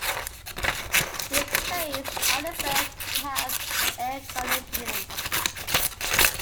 These trains are the first to have air conditioning.